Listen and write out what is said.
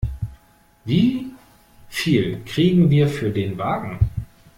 Wie viel kriegen wir für den Wagen?